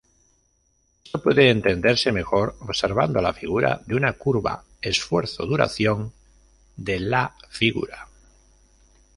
Esto puede entenderse mejor observando la figura de una curva esfuerzo-duración de la Fig.